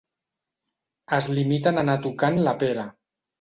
Es limiten a anar tocant la pera.